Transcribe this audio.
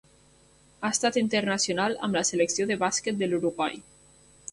Ha estat internacional amb la selecció de bàsquet de l'Uruguai.